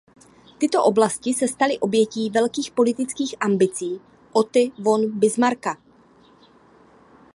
Tyto oblasti se staly obětí velkých politických ambicí Otty von Bismarcka.